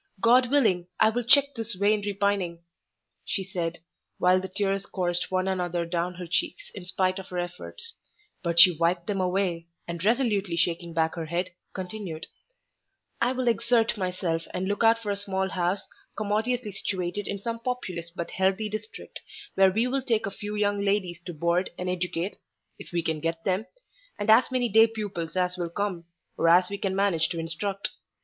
God willing, I will check this vain repining," she said, while the tears coursed one another down her cheeks in spite of her efforts; but she wiped them away, and resolutely shaking back her head, continued, "I will exert myself, and look out for a small house, commodiously situated in some populous but healthy district, where we will take a few young ladies to board and educate—if we can get them—and as many day pupils as will come, or as we can manage to instruct.